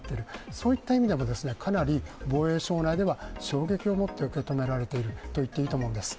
そういった意味では、かなり防衛省内では衝撃を持って受け止められているといえます。